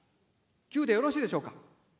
９でよろしいでしょうか。